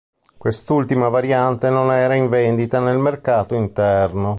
Quest'ultima variante non era in vendita nel mercato interno.